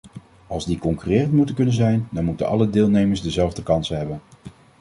Als die concurrerend moeten kunnen zijn, dan moeten alle deelnemers dezelfde kansen hebben.